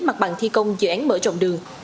mặt bằng thi công dự án mở rộng đường